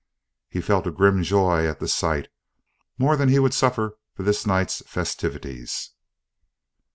He felt a grim joy at the sight, more than he would suffer for this night's festivities.